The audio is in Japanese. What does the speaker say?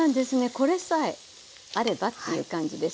これさえあればっていう感じですよね。